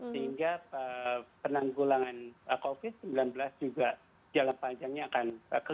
sehingga penanggulangan covid sembilan belas juga jalan panjangnya akan kembali